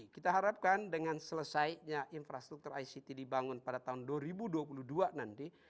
kita harapkan dengan selesainya infrastruktur ict dibangun pada tahun dua ribu dua puluh dua nanti